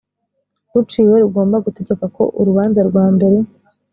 ruciwe rugomba gutegeka ko urubanza rwambere